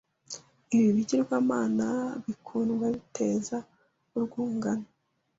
Ibi bigirwamana bikundwa biteza urwungano